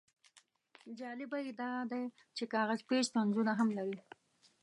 جالبه یې دا دی چې کاغذ پیچ طنزونه هم لري.